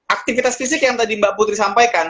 aktivitas fisik yang tadi mbak putri sampaikan